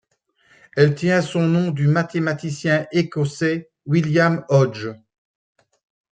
Elle tient son nom du mathématicien écossais William Hodge.